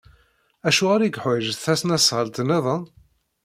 Acuɣer i yeḥwaj tasnasɣalt niḍen?